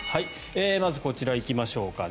まずこちら、行きましょうかね。